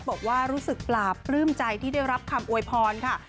บอกว่ารู้สึกปลาปลื้มใจที่ได้รับคำอวยพรค่ะ